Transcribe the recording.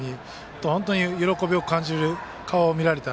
本当に喜びを感じる顔を見られた。